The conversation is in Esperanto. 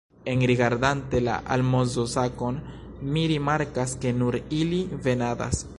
Enrigardante la almozosakon mi rimarkas, ke nur ili venadas.